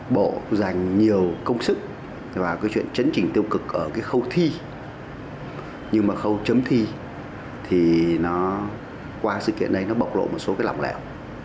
bộ dành nhiều công sức và chuyện chấn chỉnh tiêu cực ở khâu thi nhưng mà khâu chấm thi thì qua sự kiện này bọc lộ một số lỏng lẻo